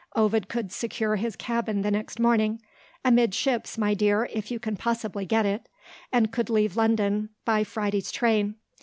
Ovid could secure his cabin the next morning ("amidships, my dear, if you can possibly get it"), and could leave London by Friday's train.